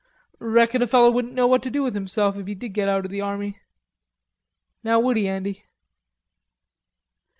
"Reckon a feller wouldn't know what to do with himself if he did get out of the army... now, would he, Andy?"